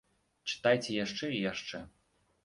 Чытайце яшчэ і яшчэ.